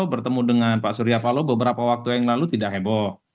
bertemu dengan pak surya paloh beberapa waktu yang lalu tidak heboh